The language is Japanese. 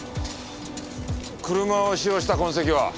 車を使用した痕跡は？